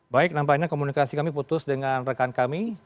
baik nampaknya komunikasi kami putus dengan rekan kami